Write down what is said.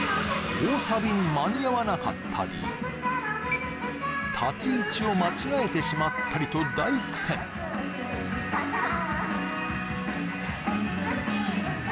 大サビに間に合わなかったり立ち位置を間違えてしまったりと大苦戦美しいでしょ